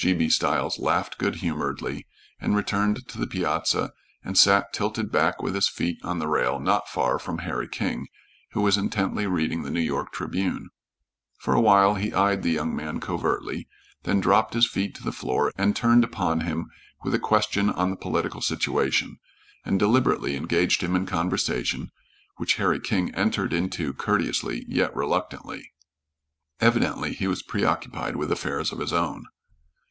G. B. Stiles laughed good humoredly and returned to the piazza and sat tilted back with his feet on the rail not far from Harry King, who was intently reading the New York Tribune. For a while he eyed the young man covertly, then dropped his feet to the floor and turned upon him with a question on the political situation, and deliberately engaged him in conversation, which Harry King entered into courteously yet reluctantly. Evidently he was preoccupied with affairs of his own.